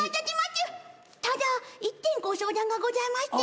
ただ１点ご相談がございまして。